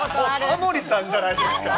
タモリさんじゃないですか。